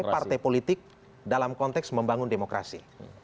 partai politik dalam konteks membangun demokrasi